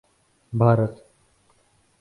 Bharat